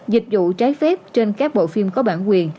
dịch vụ trái phép trên các bộ phim có bản quyền